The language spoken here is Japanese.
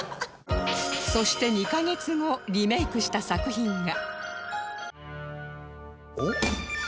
そして２カ月後リメイクした作品が